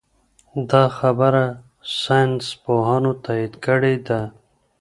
دا خبره ساینس پوهانو تایید کړې ده.